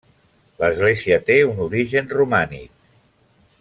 L’església té un origen romànic.